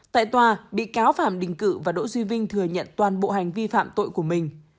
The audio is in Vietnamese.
tại tòa bị cáo phạm đình cự và đỗ duy vinh thừa nhận toàn bộ hành vi phạm tội của mình